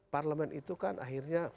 parlamen itu kan akhirnya